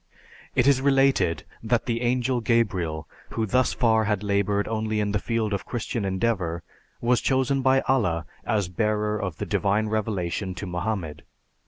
"It is related that the Angel Gabriel, who thus far had labored only in the field of Christian endeavor, was chosen by Allah as bearer of the divine revelation to Mohammed.